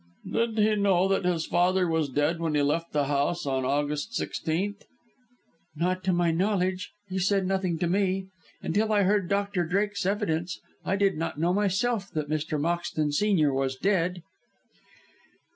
"Did he know that his father was dead when he left the house on August 16th?" "Not to my knowledge. He said nothing to me. Until I heard Mr. Drake's evidence I did not know myself that Mr. Moxton, senior, was dead."